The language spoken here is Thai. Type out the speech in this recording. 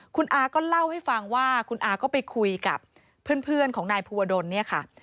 คุณอาก็เล่าให้ฟังว่าคุณอาก็ไปคุยกับเพื่อนของนายภูวดลเนี่ยค่ะ